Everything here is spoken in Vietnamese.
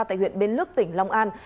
tại huyện bến lức tỉnh long an